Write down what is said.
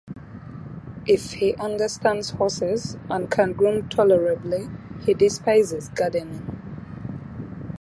If he understands horses and can groom tolerably, he despises gardening.